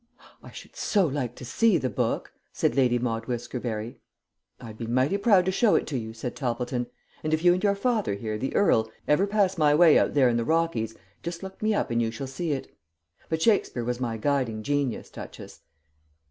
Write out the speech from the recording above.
"I should so like to see the book," said Lady Maude Whiskerberry. "I'd be mighty proud to show it to you," said Toppleton, "and if you and your father here, the earl, ever pass my way out there in the Rockies, just look me up and you shall see it. But Shakespeare was my guiding genius, Duchess.